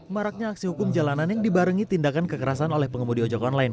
maraknya aksi hukum jalanan yang dibarengi tindakan kekerasan oleh pengemudi ojek online